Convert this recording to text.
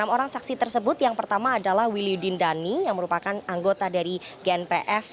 enam orang saksi tersebut yang pertama adalah wiliudin dhani yang merupakan anggota dari gnpf